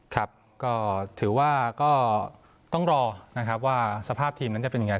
ครับก็ถือว่าต้องรอว่าสภาพทีมนั้นจะเป็นอย่างเงี้ย